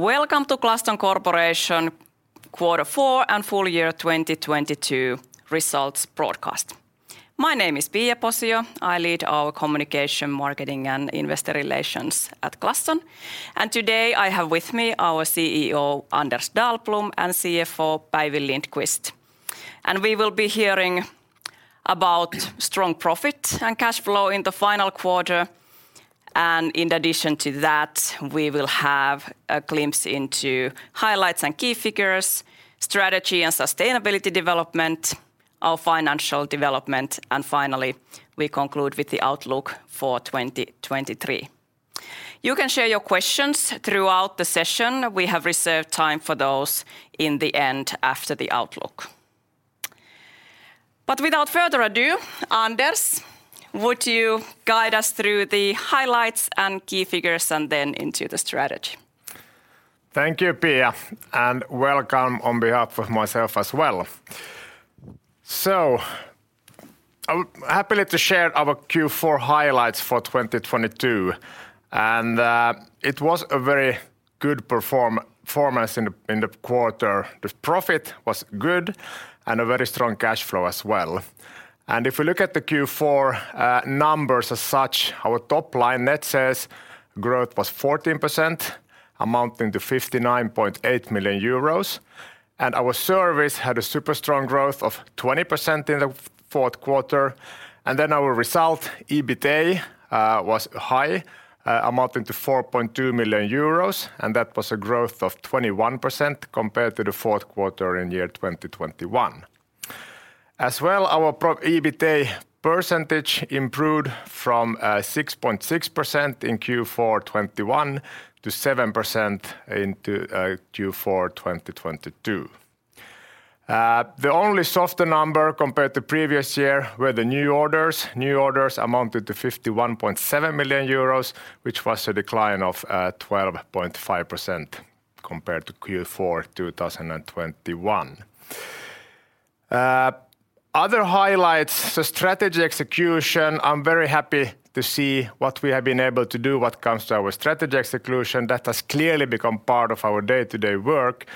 Welcome to Glaston Corporation Quarter Four and Full Year 2022 Results Broadcast. My name is Pia Posio. I lead our Communication, Marketing, and Investor Relations at Glaston. Today I have with me our CEO, Anders Dahlblom, and CFO, Päivi Lindqvist. We will be hearing about strong profit and cash flow in the final quarter, and in addition to that, we will have a glimpse into highlights and key figures, strategy and sustainability development, our financial development, and finally, we conclude with the outlook for 2023. You can share your questions throughout the session. We have reserved time for those in the end after the outlook. Without further ado, Anders, would you guide us through the highlights and key figures and then into the strategy? Thank you, Pia, welcome on behalf of myself as well. I'm happily to share our Q4 highlights for 2022, and it was a very good performance in the quarter. The profit was good and a very strong cash flow as well. If we look at the Q4 numbers as such, our top line net sales growth was 14%, amounting to 59.8 million euros. Our service had a super strong growth of 20% in the fourth quarter. Our result, EBITDA, was high, amounting to 4.2 million euros, and that was a growth of 21% compared to the fourth quarter in 2021. As well, our EBITDA percentage improved from 6.6% in Q4 2021 to 7% into Q4 2022. The only softer number compared to previous year were the new orders. New orders amounted to 51.7 million euros, which was a decline of 12.5% compared to Q4 2021. Other highlights, the strategy execution. I'm very happy to see what we have been able to do when it comes to our strategy execution. That has clearly become part of our day-to-day work.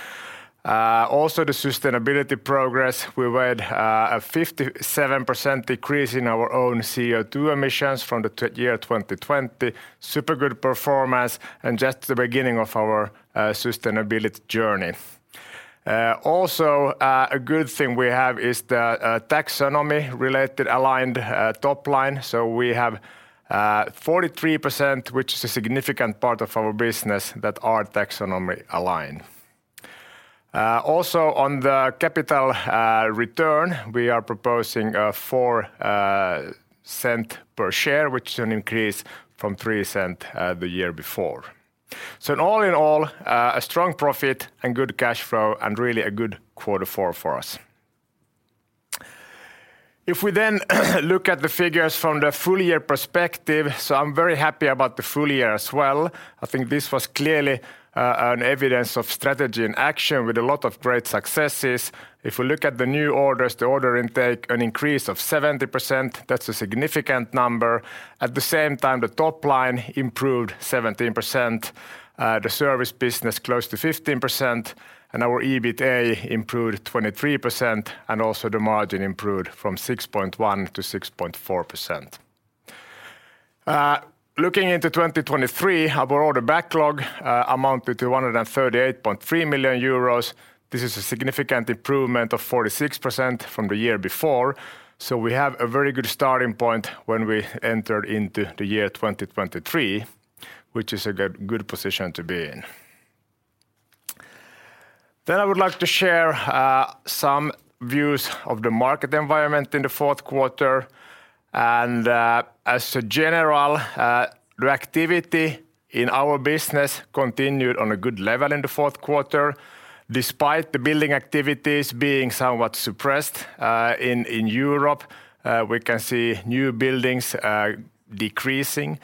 Also the sustainability progress, we were at a 57% decrease in our own CO2 emissions from the year 2020. Super good performance and just the beginning of our sustainability journey. Also, a good thing we have is the taxonomy-related aligned top line. We have 43%, which is a significant part of our business that are taxonomy-aligned. Also on the capital return, we are proposing 0.04 per share, which is an increase from 0.03 the year before. In all in all, a strong profit and good cash flow and really a good Q4 for us. We look at the figures from the full year perspective. I'm very happy about the full year as well. I think this was clearly an evidence of strategy in action with a lot of great successes. We look at the new orders, the order intake, an increase of 70%. That's a significant number. At the same time, the top line improved 17%. The service business close to 15%, and our EBITDA improved 23%, and also the margin improved from 6.1% to 6.4%. Looking into 2023, our order backlog amounted to 138.3 million euros. This is a significant improvement of 46% from the year before. We have a very good starting point when we enter into the year 2023, which is a good position to be in. I would like to share some views of the market environment in the fourth quarter. As a general, the activity in our business continued on a good level in the fourth quarter, despite the building activities being somewhat suppressed in Europe. We can see new buildings decreasing.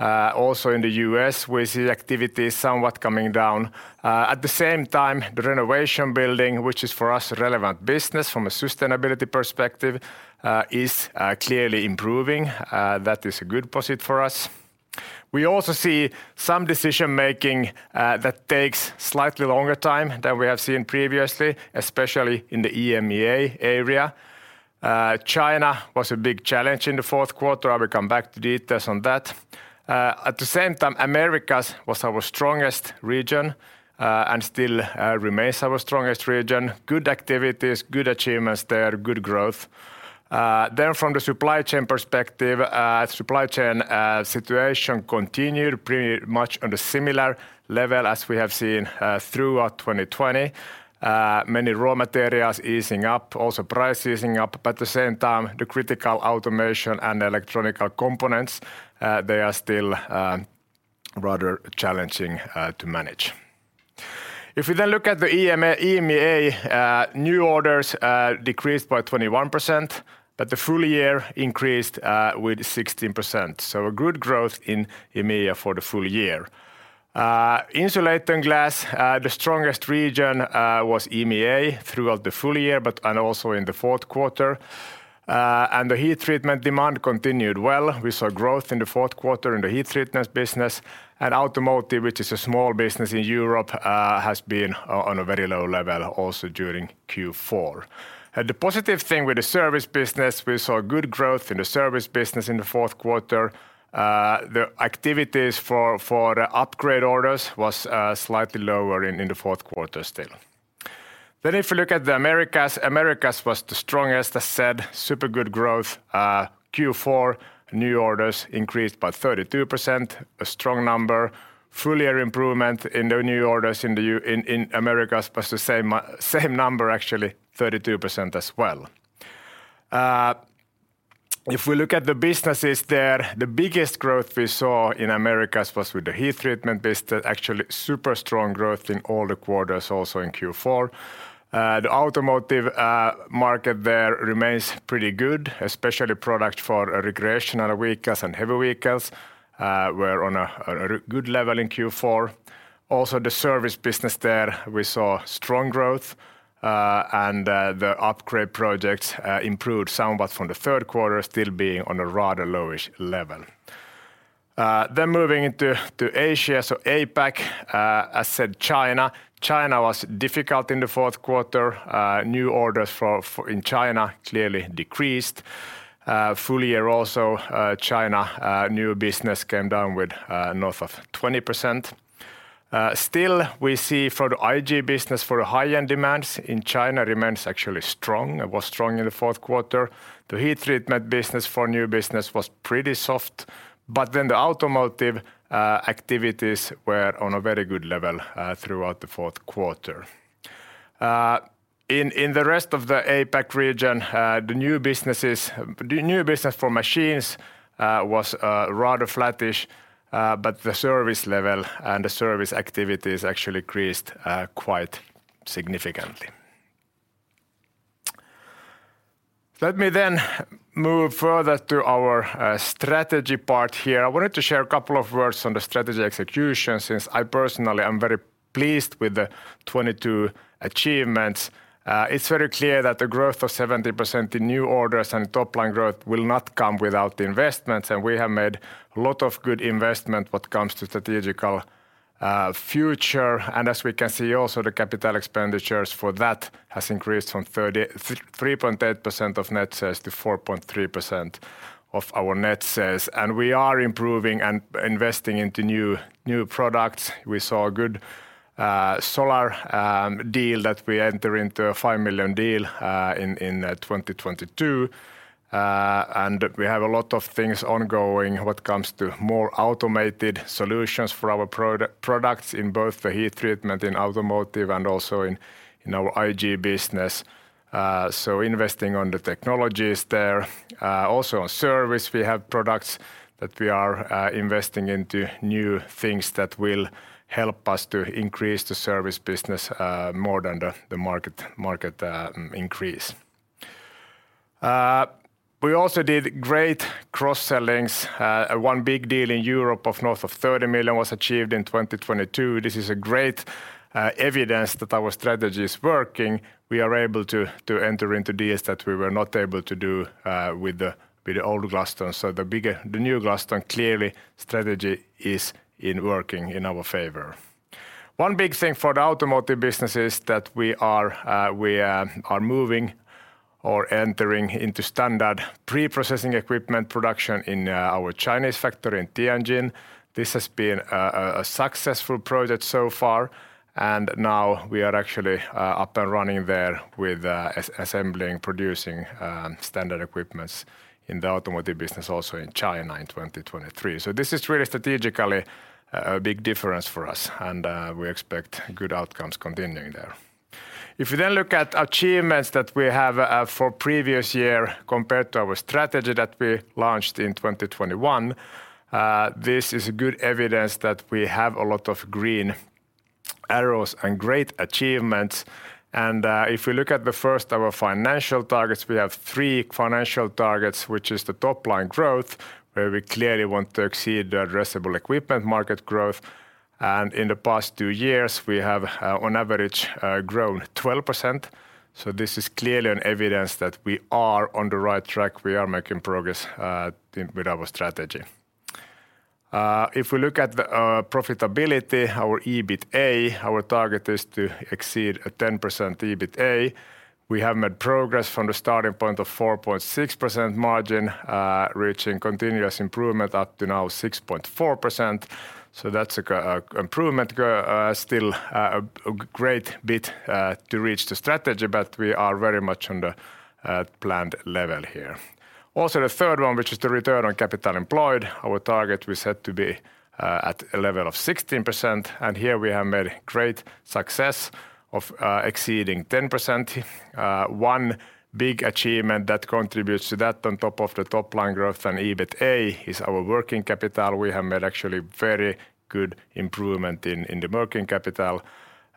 Also in the US, we see activities somewhat coming down. At the same time, the renovation building, which is for us relevant business from a sustainability perspective, is clearly improving. That is a good posit for us. We also see some decision-making that takes slightly longer time than we have seen previously, especially in the EMEA area. China was a big challenge in the fourth quarter. I will come back to details on that. At the same time, Americas was our strongest region, and still remains our strongest region. Good activities, good achievements there, good growth. From the supply chain perspective, supply chain situation continued pretty much on the similar level as we have seen throughout 2020. Many raw materials easing up, also price easing up. At the same time, the critical automation and electronic components, they are still rather challenging to manage. We then look at the EMEA new orders decreased by 21%, but the full year increased with 16%, so a good growth in EMEA for the full year. Insulating Glass, the strongest region, was EMEA throughout the full year and also in the fourth quarter. The Heat Treatment demand continued well. We saw growth in the fourth quarter in the Heat Treatment business. Automotive, which is a small business in Europe, has been on a very low level also during Q4. The positive thing with the service business, we saw good growth in the service business in the fourth quarter. The activities for the upgrade orders was slightly lower in the fourth quarter still. If we look at the Americas was the strongest. As I said, super good growth. Q4 new orders increased by 32%, a strong number. Full year improvement in the new orders in Americas was the same number actually, 32% as well. If we look at the businesses there, the biggest growth we saw in Americas was with the heat treatment business. Actually, super strong growth in all the quarters, also in Q4. The automotive market there remains pretty good, especially product for recreational vehicles and heavy vehicles, were on a, on a good level in Q4. The service business there, we saw strong growth, and the upgrade projects improved somewhat from the third quarter, still being on a rather low-ish level. Moving into to Asia, so APAC. As said China was difficult in the fourth quarter. New orders for in China clearly decreased. Full year also, China new business came down with north of 20%. Still we see for the IG business, for the high-end demands in China remains actually strong, it was strong in the fourth quarter. The heat treatment business for new business was pretty soft. The automotive activities were on a very good level throughout the fourth quarter. In the rest of the APAC region, the new business for machines was rather flattish, but the service level and the service activities actually increased quite significantly. Let me move further to our strategy part here. I wanted to share a couple of words on the strategy execution since I personally am very pleased with the 2022 achievements. It's very clear that the growth of 70% in new orders and top-line growth will not come without investments, and we have made a lot of good investment when it comes to the digital future. As we can see also, the capital expenditures for that has increased from 3.8% of net sales to 4.3% of our net sales. We are improving and investing into new products. We saw a good solar deal that we enter into a 5 million deal in 2022. We have a lot of things ongoing when it comes to more automated solutions for our products in both the Heat Treatment in Automotive and also in our IG business, so investing on the technologies there. Also on service, we have products that we are investing into new things that will help us to increase the service business more than the market increase. We also did great cross-sellings. One big deal in Europe of north of 30 million was achieved in 2022. This is a great evidence that our strategy is working. We are able to enter into deals that we were not able to do with the old Glaston. The new Glaston clearly strategy is in working in our favor. One big thing for the automotive business is that we are moving or entering into standard pre-processing equipment production in our Chinese factory in Tianjin. This has been a successful project so far, and now we are actually up and running there with assembling, producing, standard equipment in the automotive business also in China in 2023. This is really strategically a big difference for us and we expect good outcomes continuing there. If you then look at achievements that we have for previous year compared to our strategy that we launched in 2021, this is good evidence that we have a lot of green arrows and great achievements. If we look at the first, our financial targets, we have three financial targets, which is the top-line growth, where we clearly want to exceed the addressable equipment market growth. In the past two years, we have on average grown 12%, so this is clearly an evidence that we are on the right track. We are making progress with our strategy. If we look at the profitability, our EBITDA, our target is to exceed a 10% EBITDA. We have made progress from the starting point of 4.6% margin, reaching continuous improvement up to now 6.4%, so that's a improvement still a great bit to reach the strategy, we are very much on the planned level here. The third one, which is the return on capital employed, our target we set to be at a level of 16%, and here we have made great success of exceeding 10%. One big achievement that contributes to that on top of the top line growth and EBITDA is our working capital. We have made actually very good improvement in the working capital,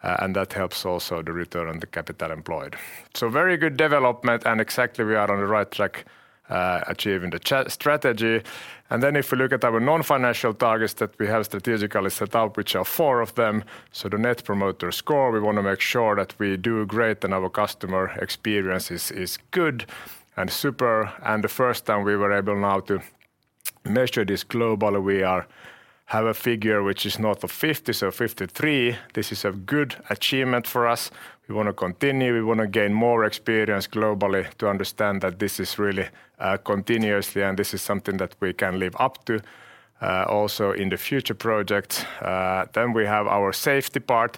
and that helps also the return on the capital employed. Very good development and exactly we are on the right track achieving the strategy. If we look at our non-financial targets that we have strategically set up, which are four of them, the Net Promoter Score, we wanna make sure that we do great and our customer experience is good and super. The first time we were able now to measure this globally, we have a figure which is north of 50, so 53. This is a good achievement for us. We wanna continue, we wanna gain more experience globally to understand that this is really continuously and this is something that we can live up to also in the future projects. Then we have our safety part.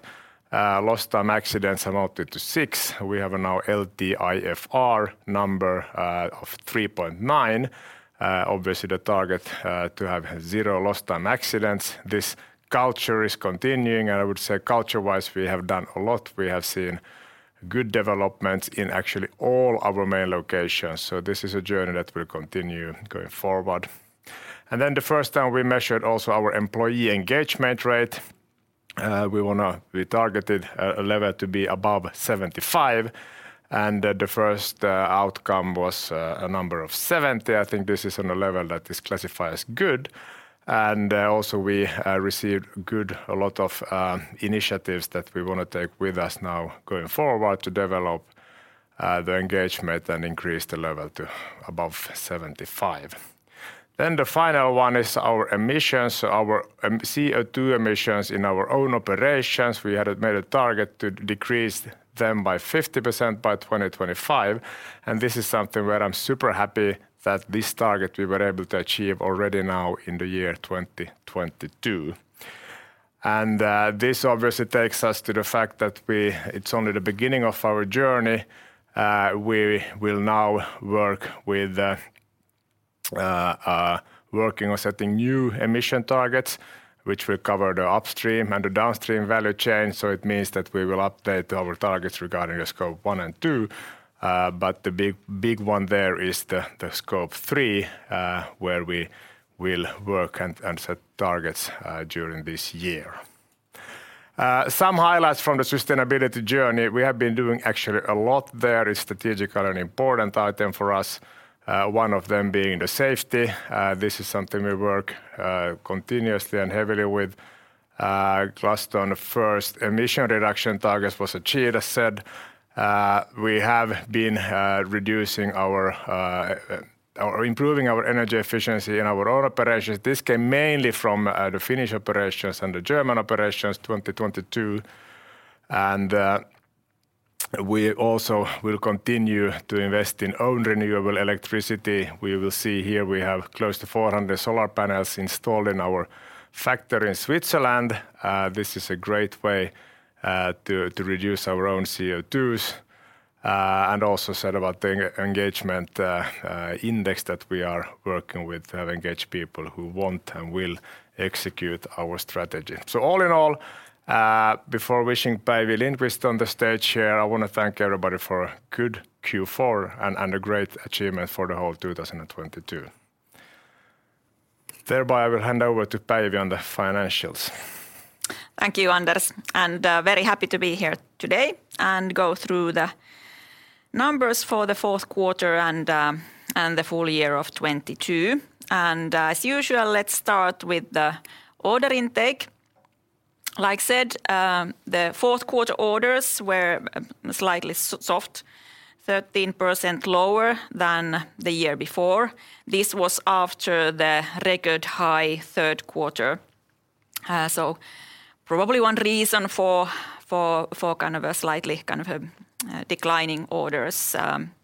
Lost time accidents amounted to 6. We have now LTIFR number of 3.9. Obviously the target to have 0 lost time accidents. This culture is continuing, and I would say culture-wise, we have done a lot. We have seen good developments in actually all our main locations. This is a journey that will continue going forward. The first time we measured also our employee engagement rate, we targeted a level to be above 75, and the first outcome was a number of 70. I think this is on a level that is classified as good. Also we received good a lot of initiatives that we wanna take with us now going forward to develop the engagement and increase the level to above 75. The final one is our emissions, our CO2 emissions in our own operations. We had made a target to decrease them by 50% by 2025, and this is something where I'm super happy that this target we were able to achieve already now in the year 2022. This obviously takes us to the fact that it's only the beginning of our journey. We will now work with working on setting new emission targets, which will cover the upstream and the downstream value chain. It means that we will update our targets regarding the Scope one and two, but the big one there is the Scope three, where we will work and set targets during this year. Some highlights from the sustainability journey. We have been doing actually a lot there. It's strategic and an important item for us, one of them being the safety. This is something we work continuously and heavily with. Glaston the first emission reduction targets was achieved, as said. We have been reducing our or improving our energy efficiency in our own operations. This came mainly from the Finnish operations and the German operations, 2022. We also will continue to invest in own renewable electricity. We will see here we have close to 400 solar panels installed in our factory in Switzerland. This is a great way to reduce our own CO2s. Also said about the engagement index that we are working with, engage people who want and will execute our strategy. All in all, before wishing Päivi Lindqvist on the stage here, I wanna thank everybody for a good Q4 and a great achievement for the whole 2022. Thereby, I will hand over to Päivi on the financials. Thank you, Anders, and very happy to be here today and go through the numbers for the fourth quarter and the full year of 2022. As usual, let's start with the order intake. Like said, the fourth quarter orders were slightly soft, 13% lower than the year before. This was after the record high third quarter. Probably one reason for kind of a slightly declining orders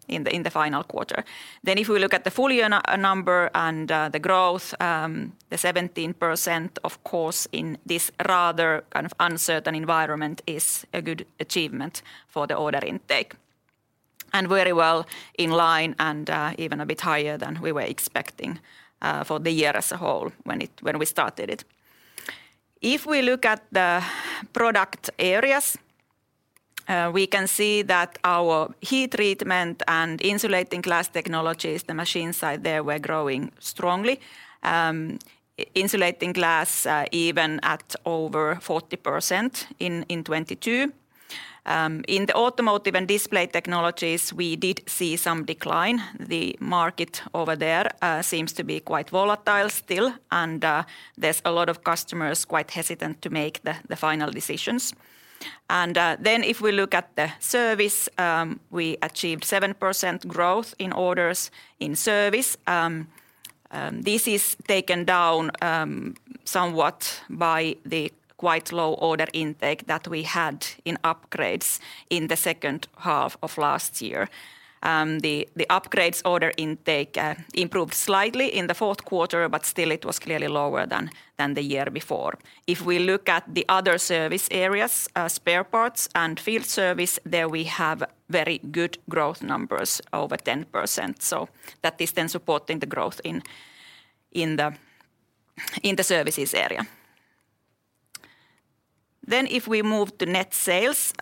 in the final quarter. If we look at the full year number and the growth, the 17% of course in this rather kind of uncertain environment is a good achievement for the order intake. Very well in line and even a bit higher than we were expecting for the year as a whole when we started it. If we look at the product areas, we can see that our heat treatment and insulating glass technologies, the machine side there, were growing strongly. Insulating glass, even at over 40% in 2022. In the automotive and display technologies, we did see some decline. The market over there seems to be quite volatile still, there's a lot of customers quite hesitant to make the final decisions. If we look at the service, we achieved 7% growth in orders in service. This is taken down somewhat by the quite low order intake that we had in upgrades in the second half of last year. The upgrades order intake improved slightly in the fourth quarter, still it was clearly lower than the year before. If we look at the other service areas, spare parts and field service, there we have very good growth numbers, over 10%. That is then supporting the growth in the services area. If we move to net sales,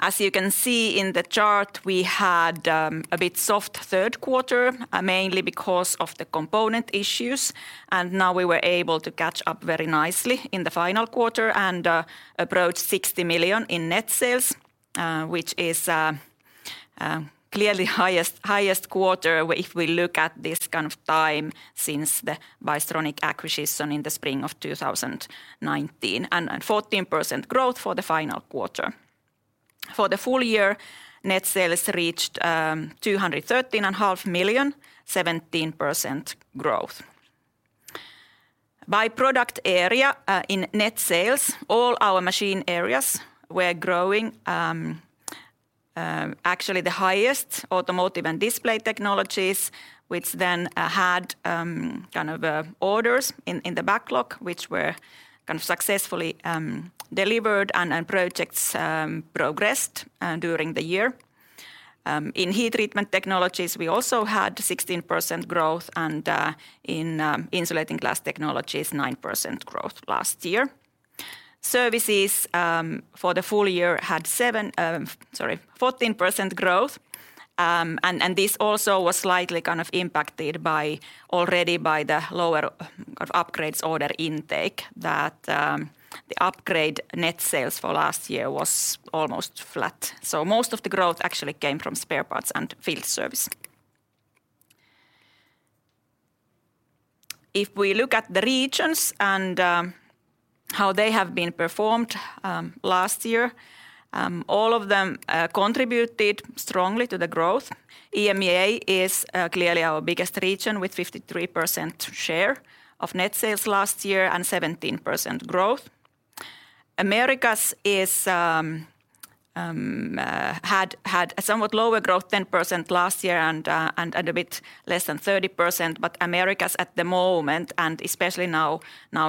as you can see in the chart, we had a bit soft third quarter, mainly because of the component issues, and now we were able to catch up very nicely in the final quarter and approach 60 million in net sales, which is clearly highest quarter if we look at this kind of time since the Bystronic acquisition in the spring of 2019, and 14% growth for the final quarter. For the full year, net sales reached 213 and half million, 17% growth. By product area, in net sales, all our machine areas were growing. Actually the highest Automotive & Display Technologies, which then had kind of orders in the backlog, which were kind of successfully delivered and projects progressed during the year. In Heat Treatment Technologies, we also had 16% growth and in Insulating Glass Technologies, 9% growth last year. Services, for the full year had 14% growth. And this also was slightly kind of impacted by already by the lower of upgrades order intake that the upgrade net sales for last year was almost flat. Most of the growth actually came from spare parts and field service. If we look at the regions and how they have been performed last year, all of them contributed strongly to the growth. EMEA is clearly our biggest region with 53% share of net sales last year and 17% growth. Americas had a somewhat lower growth, 10% last year and a bit less than 30%. Americas at the moment, and especially now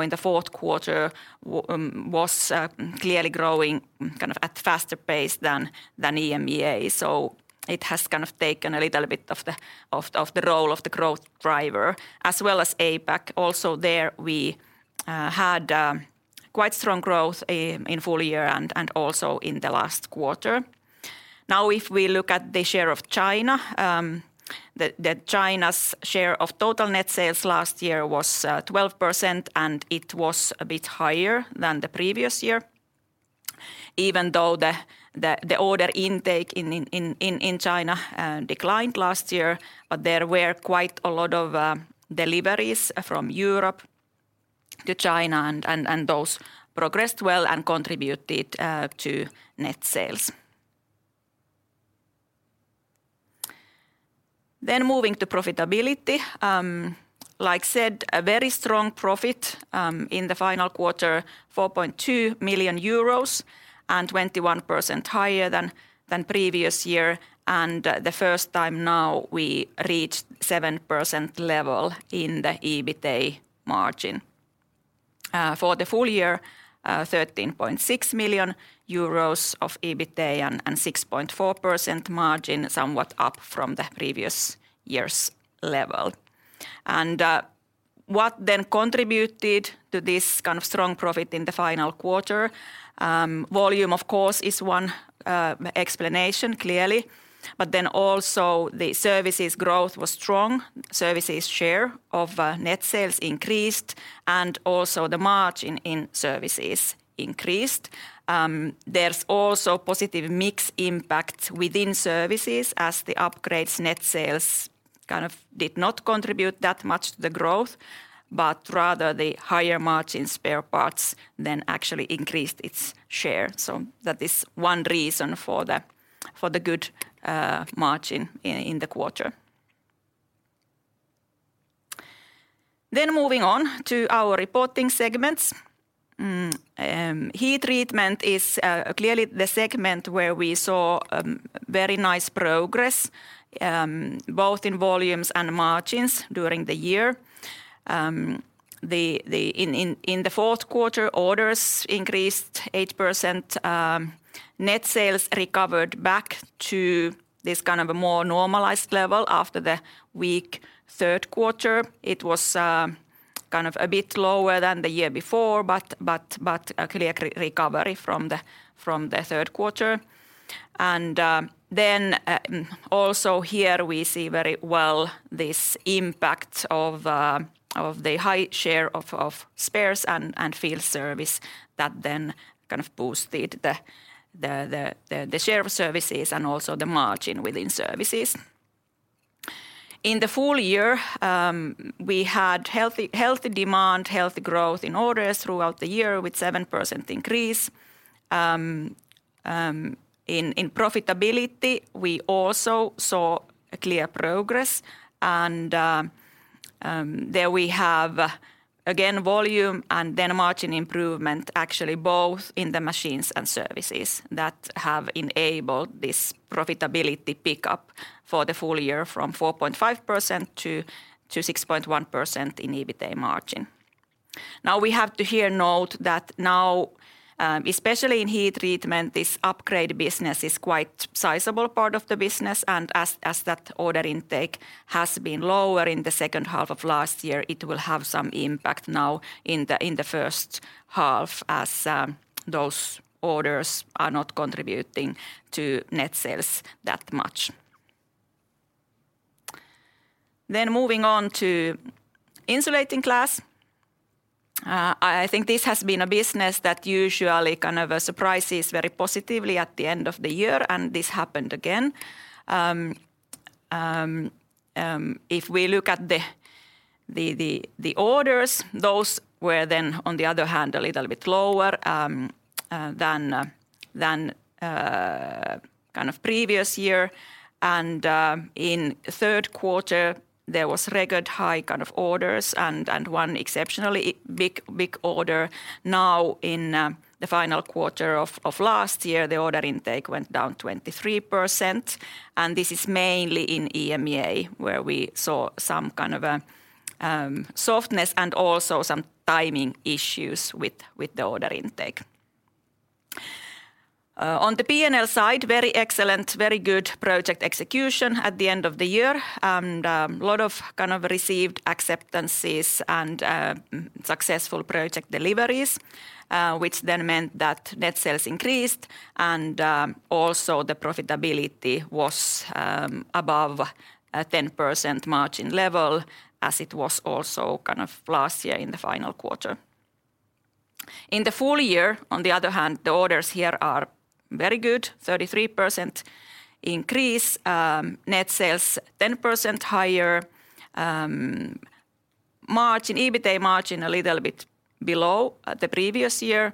in the fourth quarter was clearly growing kind of at faster pace than EMEA. It has kind of taken a little bit of the role of the growth driver as well as APAC. There we had quite strong growth in full year and also in the last quarter. Now if we look at the share of China's share of total net sales last year was 12%, it was a bit higher than the previous year, even though the order intake in China declined last year. There were quite a lot of deliveries from Europe to China and those progressed well and contributed to net sales. Moving to profitability. Like said, a very strong profit in the final quarter, 4.2 million euros, 21% higher than previous year. The first time now we reached 7% level in the EBITDA margin. For the full year, 13.6 million euros of EBITDA, 6.4% margin somewhat up from the previous year's level. What contributed to this kind of strong profit in the Q4? Volume of course, is one explanation clearly, also the services growth was strong. Services share of net sales increased, the margin in services increased. There's also positive mix impact within services as the upgrades net sales kind of did not contribute that much to the growth, but rather the higher margin spare parts actually increased its share. That is one reason for the good margin in the quarter. Moving on to our reporting segments. Heat Treatment is clearly the segment where we saw very nice progress both in volumes and margins during the year. In the Q4, orders increased 8%. Net sales recovered back to this kind of a more normalized level after the weak third quarter. It was kind of a bit lower than the year before, but a clear re-recovery from the third quarter. Also here we see very well this impact of the high share of spares and field service that then kind of boosted the share of services and also the margin within services. In the full year, we had healthy demand, healthy growth in orders throughout the year with 7% increase. In profitability, we also saw a clear progress and there we have again volume and then margin improvement actually both in the machines and services that have enabled this profitability pickup for the full year from 4.5% to 6.1% in EBITDA margin. We have to here note that now, especially in heat treatment, this upgrade business is quite sizable part of the business, and as that order intake has been lower in the second half of last year, it will have some impact now in the first half as those orders are not contributing to net sales that much. Moving on to insulating glass. I think this has been a business that usually kind of surprises very positively at the end of the year, and this happened again. If we look at the orders, those were then on the other hand a little bit lower than kind of previous year. In third quarter, there was record high kind of orders and one exceptionally big order. Now in the final quarter of last year, the order intake went down 23%, and this is mainly in EMEA, where we saw some kind of a softness and also some timing issues with the order intake. On the P&L side, very excellent, very good project execution at the end of the year, and lot of kind of received acceptances and successful project deliveries, which then meant that net sales increased and also the profitability was above a 10% margin level as it was also kind of last year in the final quarter. In the full year, on the other hand, the orders here are very good, 33% increase. Net sales 10% higher. EBITDA margin a little bit below the previous year,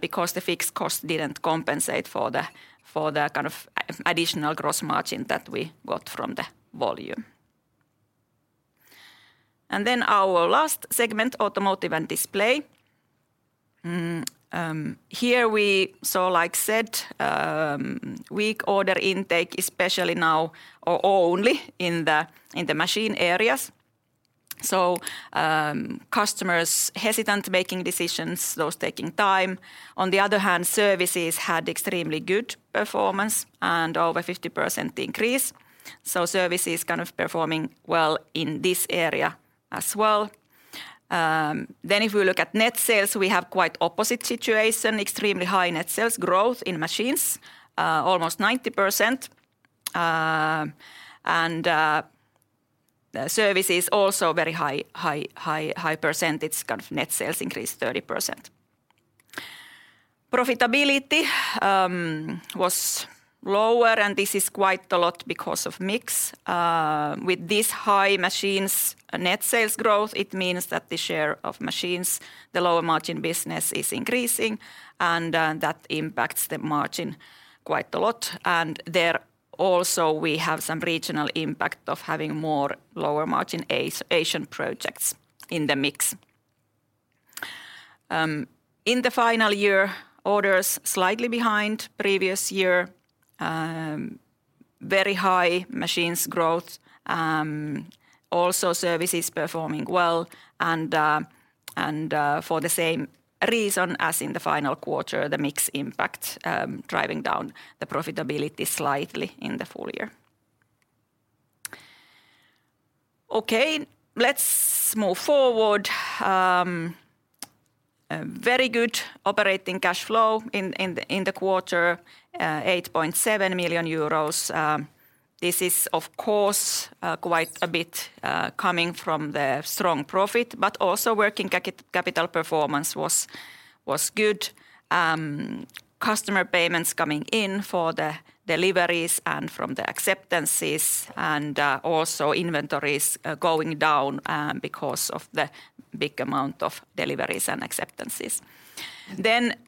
because the fixed cost didn't compensate for the kind of additional gross margin that we got from the volume. Our last segment, Automotive & Display Technologies. Here we saw, like said, weak order intake, especially now only in the machine areas. Customers hesitant making decisions, those taking time. On the other hand, services had extremely good performance and over 50% increase. Services kind of performing well in this area as well. If we look at net sales, we have quite opposite situation, extremely high net sales growth in machines, almost 90%. Service is also very high percentage, kind of net sales increase 30%. Profitability was lower, and this is quite a lot because of mix. With this high machines net sales growth, it means that the share of machines, the lower margin business, is increasing, and that impacts the margin quite a lot. There also we have some regional impact of having more lower margin Asian projects in the mix. In the final year, orders slightly behind previous year. Very high machines growth. Also services performing well. For the same reason as in the final quarter, the mix impact, driving down the profitability slightly in the full year. Okay, let's move forward. A very good operating cash flow in the quarter, 8.7 million euros. This is of course, quite a bit, coming from the strong profit, but also working capital performance was good. Customer payments coming in for the deliveries and from the acceptances, also inventories, going down, because of the big amount of deliveries and acceptances. Then, um,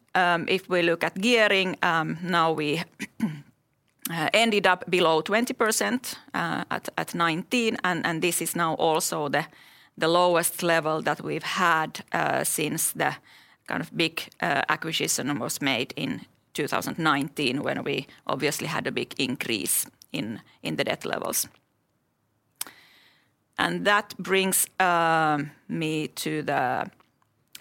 if we look at gearing, um, now we uh, ended up below 20%, uh, at 2019, and this is now also the, the lowest level that we've had, uh, since the kind of big, uh, acquisition was made in 2019 when we obviously had a big increase in, in the debt levels. And that brings, um, me to the,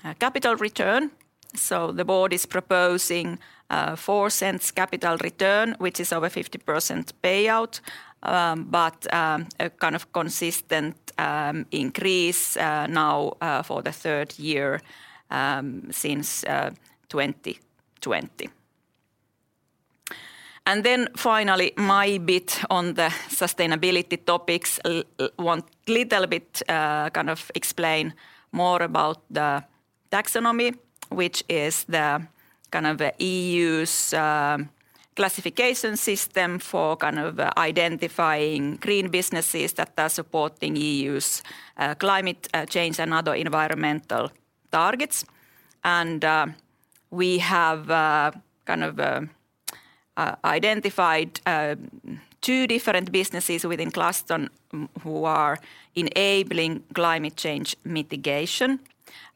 uh, capital return. So the board is proposing, uh, four cents capital return, which is over fifty percent payout, um, but, um, a kind of consistent, um, increase, uh, now, uh, for the third year, um, since, uh, 2020. And then finally, my bit on the sustainability topics. Want little bit, kind of explain more about the taxonomy, which is the kind of EU's classification system for kind of identifying green businesses that are supporting EU's climate change and other environmental targets. We have kind of identified two different businesses within Glaston who are enabling climate change mitigation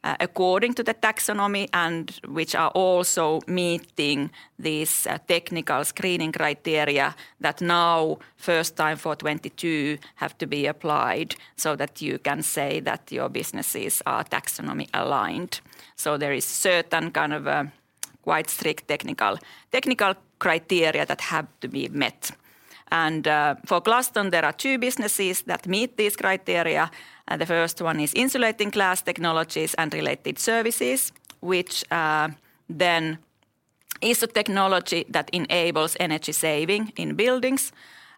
according to the taxonomy, and which are also meeting these technical screening criteria that now first time for 2022 have to be applied so that you can say that your businesses are taxonomy-aligned. There is certain kind of quite strict technical criteria that have to be met. For Glaston there are two businesses that meet this criteria, and the first one is Insulating Glass Technologies and related services, which then is the technology that enables energy saving in buildings.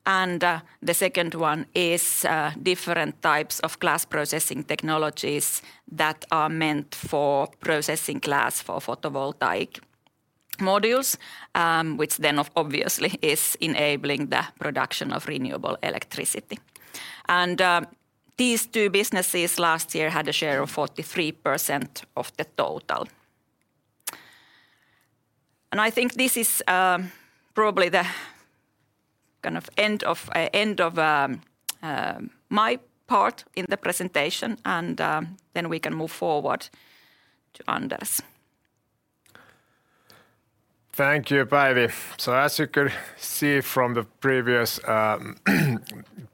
The second one is different types of glass processing technologies that are meant for processing glass for photovoltaic modules, which then obviously is enabling the production of renewable electricity. These two businesses last year had a share of 43% of the total. I think this is probably the kind of end of my part in the presentation, and then we can move forward to Anders. Thank you, Päivi. As you could see from the previous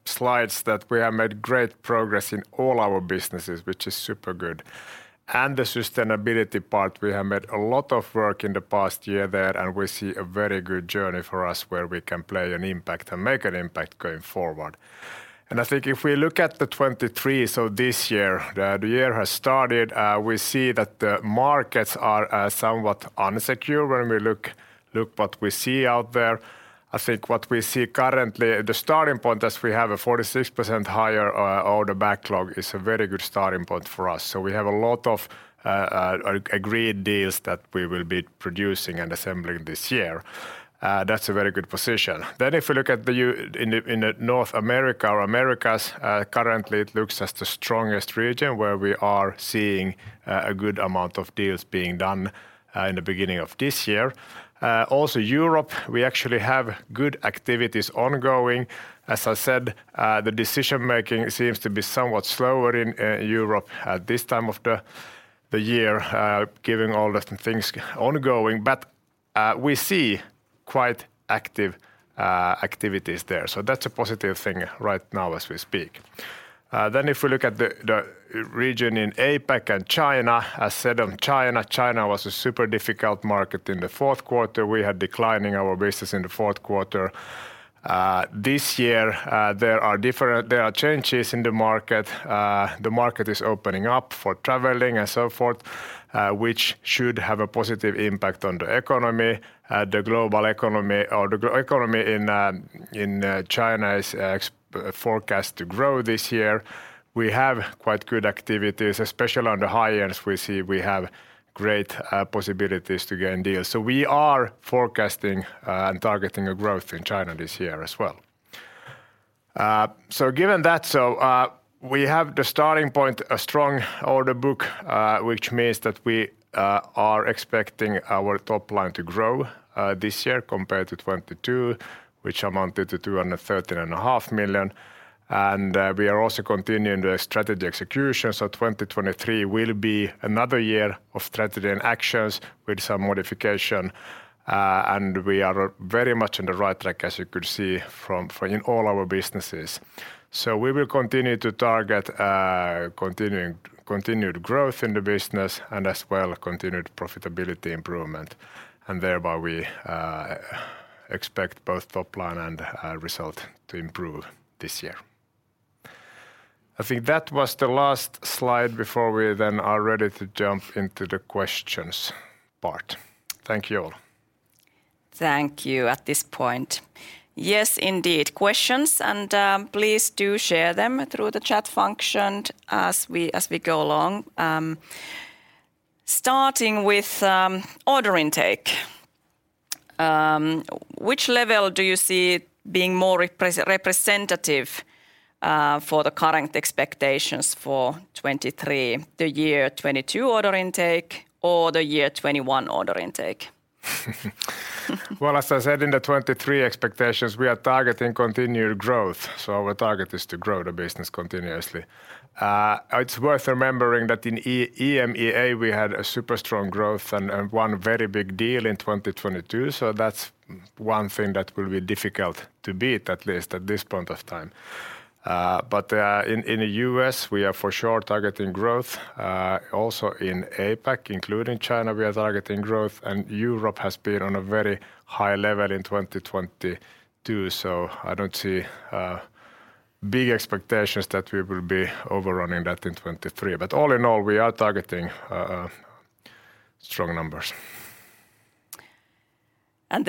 slides that we have made great progress in all our businesses, which is super good. The sustainability part, we have made a lot of work in the past year there, and we see a very good journey for us where we can play an impact and make an impact going forward. I think if we look at the 2023, so this year, the year has started, we see that the markets are somewhat insecure when we look what we see out there. I think what we see currently, the starting point is we have a 46% higher order backlog is a very good starting point for us. We have a lot of agreed deals that we will be producing and assembling this year. That's a very good position. If we look at the in the, in the North America or Americas, currently it looks as the strongest region where we are seeing a good amount of deals being done in the beginning of this year. Also Europe, we actually have good activities ongoing. As I said, the decision-making seems to be somewhat slower in Europe at this time of the year, given all the things ongoing. We see quite active activities there, so that's a positive thing right now as we speak. If we look at the region in APAC and China, as said on China was a super difficult market in the fourth quarter. We had declining our business in the fourth quarter. This year, there are changes in the market. The market is opening up for traveling and so forth, which should have a positive impact on the economy. The global economy or the economy in China is forecast to grow this year. We have quite good activities, especially on the high-ends we see we have great possibilities to gain deals. We are forecasting and targeting a growth in China this year as well. Given that so, we have the starting point a strong order book, which means that we are expecting our top line to grow this year compared to 2022, which amounted to 213 and a half million. We are also continuing the strategy execution. 2023 will be another year of strategy and actions with some modification. We are very much on the right track, as you could see from in all our businesses. We will continue to target continued growth in the business and as well continued profitability improvement. Thereby we expect both top line and result to improve this year. I think that was the last slide before we then are ready to jump into the questions part. Thank you all. Thank you at this point. Yes, indeed, questions. Please do share them through the chat function as we go along. Starting with order intake, which level do you see being more representative for the current expectations for 2023, the 2022 order intake or the 2021 order intake? Well, as I said, in the 2023 expectations, we are targeting continued growth, so our target is to grow the business continuously. It's worth remembering that in EMEA we had a super strong growth and one very big deal in 2022, so that's one thing that will be difficult to beat, at least at this point of time. In the U.S., we are for sure targeting growth. Also in APAC, including China, we are targeting growth. Europe has been on a very high level in 2022, so I don't see big expectations that we will be overrunning that in 2023. All in all, we are targeting strong numbers.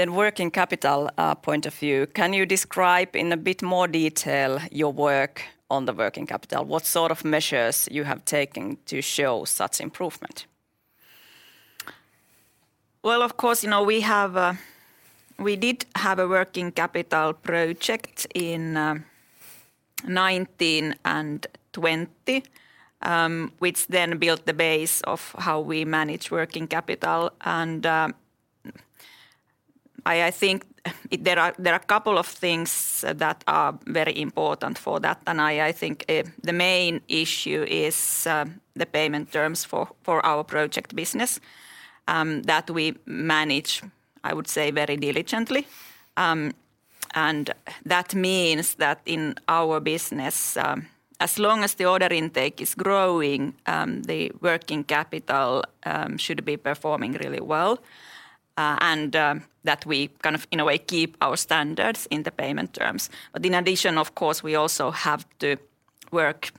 Working capital point of view, can you describe in a bit more detail your work on the working capital? What sort of measures you have taken to show such improvement? Well, of course, you know, we have, we did have a working capital project in 2019 and 2020, which then built the base of how we manage working capital. I think there are a couple of things that are very important for that. I think the main issue is the payment terms for our project business that we manage, I would say, very diligently. That means that in our business, as long as the order intake is growing, the working capital should be performing really well, and that we kind of in a way keep our standards in the payment terms. In addition, of course, we also have to work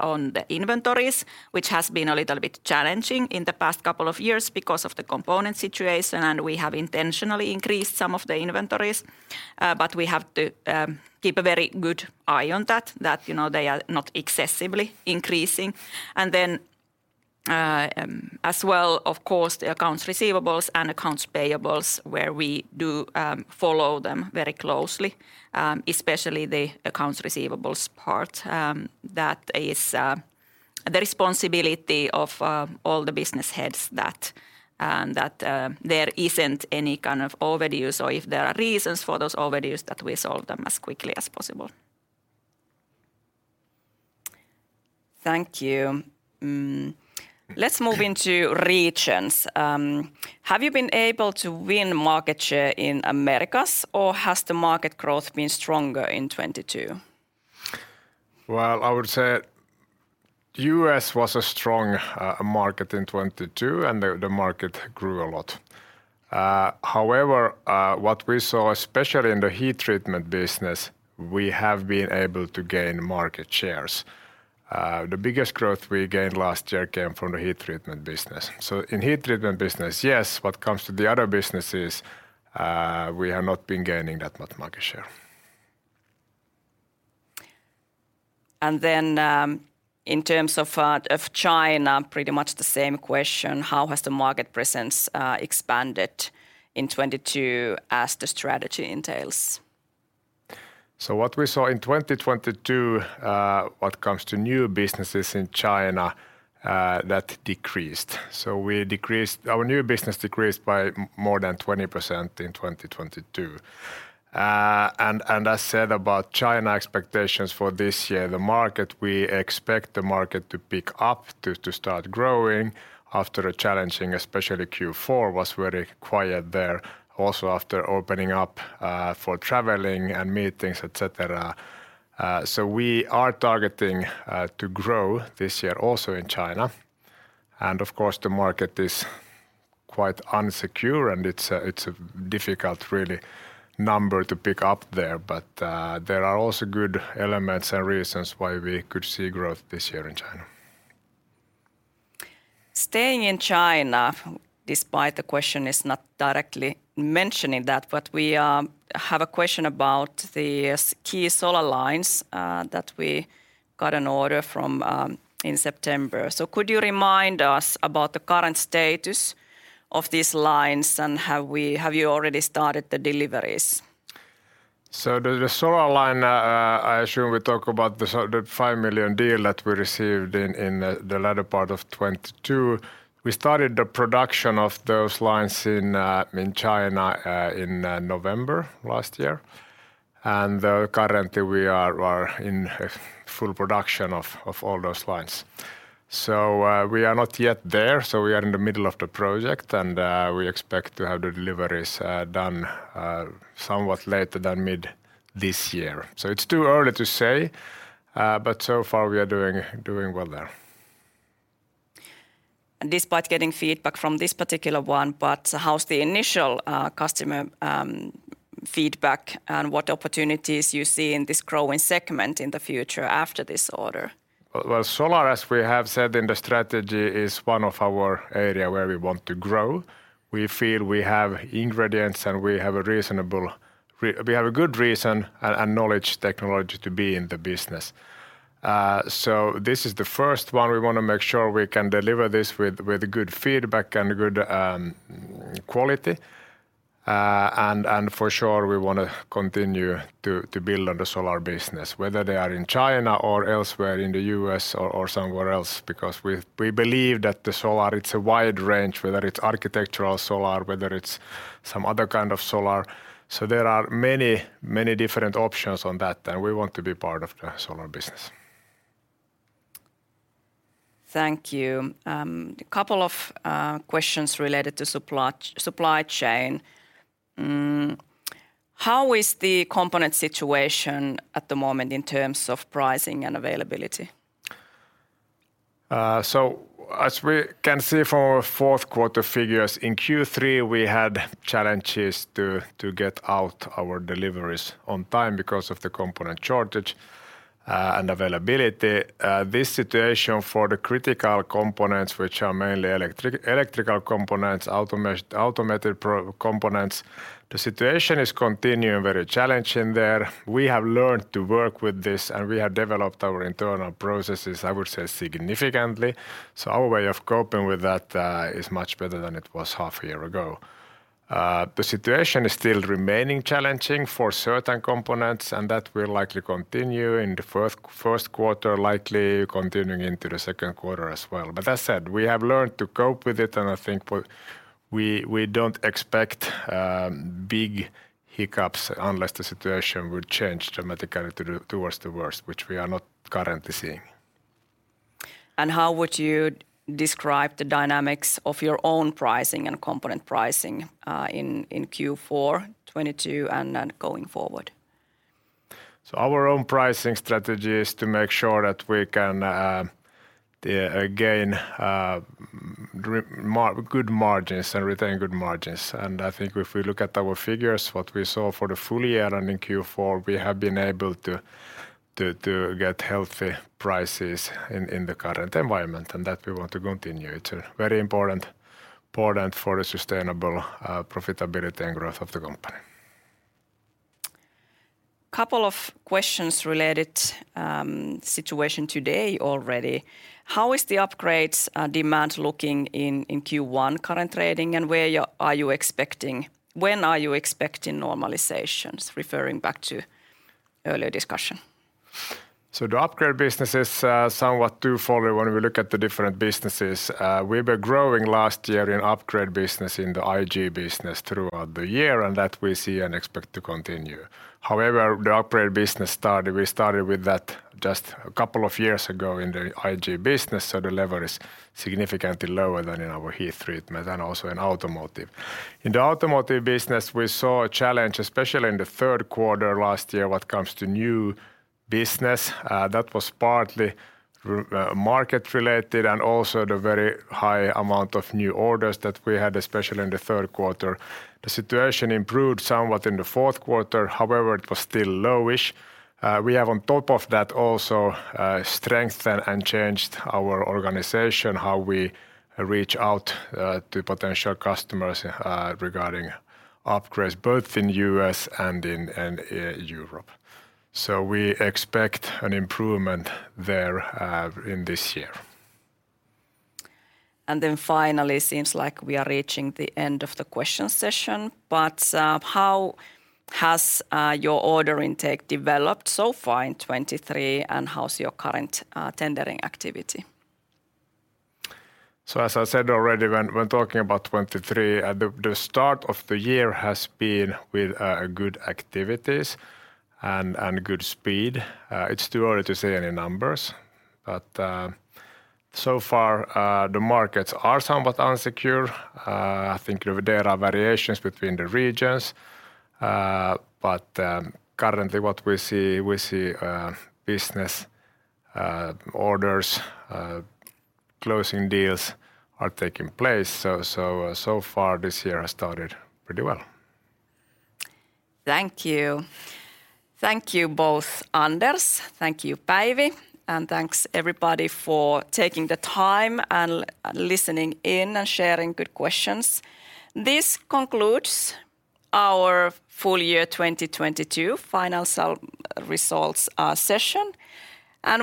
on the inventories, which has been a little bit challenging in the past couple of years because of the component situation, and we have intentionally increased some of the inventories. We have to keep a very good eye on that, you know, they are not excessively increasing. Then, as well, of course, the accounts receivables and accounts payables where we do follow them very closely, especially the accounts receivables part. That is the responsibility of all the business heads that there isn't any kind of overdues, or if there are reasons for those overdues, that we solve them as quickly as possible. Thank you. Let's move into regions. Have you been able to win market share in Americas, or has the market growth been stronger in 2022? I would say U.S. was a strong market in 2022, the market grew a lot. What we saw especially in the heat treatment business, we have been able to gain market shares. The biggest growth we gained last year came from the heat treatment business. In heat treatment business, yes. What comes to the other businesses, we have not been gaining that much market share. In terms of China, pretty much the same question: How has the market presence expanded in 2022 as the strategy entails? What we saw in 2022, what comes to new businesses in China, that decreased. Our new business decreased by more than 20% in 2022. And I said about China expectations for this year, the market, we expect the market to pick up to start growing after a challenging. Especially Q4 was very quiet there also after opening up for traveling and meetings, et cetera. We are targeting to grow this year also in China, and of course the market is quite unsecure, and it's a difficult really number to pick up there. There are also good elements and reasons why we could see growth this year in China. Staying in China, despite the question is not directly mentioning that, we have a question about the key solar lines that we got an order from in September. Could you remind us about the current status of these lines? Have you already started the deliveries? The solar line, I assume we talk about the 5 million deal that we received in the latter part of 2022. We started the production of those lines in China in November last year. Currently we are in full production of all those lines. We are not yet there, so we are in the middle of the project, and we expect to have the deliveries done somewhat later than mid this year. It's too early to say, but so far we are doing well there. Despite getting feedback from this particular one, but how's the initial customer feedback? What opportunities you see in this growing segment in the future after this order? Well, solar, as we have said in the strategy, is one of our area where we want to grow. We feel we have ingredients, and we have a good reason and knowledge technology to be in the business. This is the first one. We wanna make sure we can deliver this with good feedback and good quality. For sure we wanna continue to build on the solar business, whether they are in China or elsewhere, in the U.S. or somewhere else. We believe that the solar, it's a wide range, whether it's architectural solar, whether it's some other kind of solar. There are many different options on that, and we want to be part of the solar business. Thank you. A couple of questions related to supply chain. How is the component situation at the moment in terms of pricing and availability? As we can see from our fourth quarter figures, in Q3 we had challenges to get out our deliveries on time because of the component shortage and availability. This situation for the critical components, which are mainly electrical components, automated pro components, the situation is continuing very challenging there. We have learned to work with this, and we have developed our internal processes, I would say, significantly. Our way of coping with that is much better than it was half a year ago. The situation is still remaining challenging for certain components, and that will likely continue in the first quarter, likely continuing into the second quarter as well. As said, we have learned to cope with it, and I think we don't expect big hiccups unless the situation would change dramatically towards the worst, which we are not currently seeing. How would you describe the dynamics of your own pricing and component pricing, in Q4 2022 and then going forward? Our own pricing strategy is to make sure that we can again good margins and retain good margins. I think if we look at our figures, what we saw for the full year and in Q4, we have been able to get healthy prices in the current environment, and that we want to continue. It's very important for a sustainable profitability and growth of the company. Couple of questions related, situation today already. How is the upgrades demand looking in Q1 current trading, and where are you expecting... when are you expecting normalizations? Referring back to earlier discussion. The upgrade business is somewhat twofold when we look at the different businesses. We were growing last year in upgrade business in the IG business throughout the year, and that we see and expect to continue. The upgrade business started with that just a couple of years ago in the IG business, so the level is significantly lower than in our heat treatment and also in Automotive. In the Automotive business, we saw a challenge, especially in the third quarter last year when it comes to new business. That was partly market related and also the very high amount of new orders that we had, especially in the third quarter. The situation improved somewhat in the fourth quarter, it was still low-ish. We have on top of that also strengthened and changed our organization, how we reach out to potential customers regarding upgrades both in U.S. and in Europe. We expect an improvement there in this year. Finally, seems like we are reaching the end of the question session. How has your order intake developed so far in 2023, and how's your current tendering activity? As I said already when talking about 2023, at the start of the year has been with good activities and good speed. It's too early to say any numbers, but so far, the markets are somewhat unsecure. I think there are variations between the regions. Currently what we see, business orders, closing deals are taking place. So far this year has started pretty well. Thank you. Thank you both, Anders. Thank you, Päivi. Thanks everybody for taking the time and listening in and sharing good questions. This concludes our full year 2022 final results session.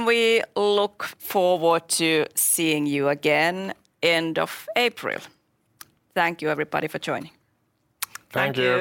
We look forward to seeing you again end of April. Thank you, everybody, for joining. Thank you. Thank you.